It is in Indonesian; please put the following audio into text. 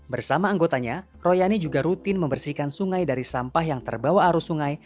bersama anggotanya royani juga rutin membersihkan sungai dari sampah yang terbawa arus sungai